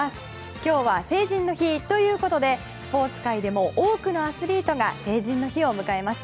今日は成人の日ということでスポーツ界でも多くのアスリートが成人の日を迎えました。